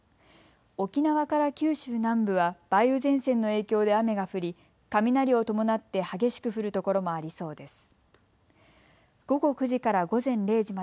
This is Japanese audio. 沖縄から九州南部は梅雨前線の影響で雨が降り雷を伴って激しく降る所もありそうです。